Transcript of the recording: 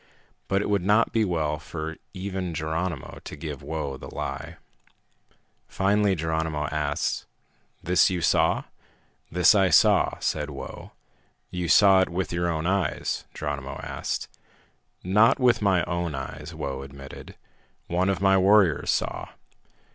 But it would not be well for even Geronimo to give Whoa the lie. Finally Geronimo asked, "This you saw?" "This I saw," said Whoa. "You saw it with your own eyes?" Geronimo asked. "Not with my own eyes," Whoa admitted. "One of my warriors saw."